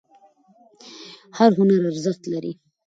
هر هنر ارزښت لري.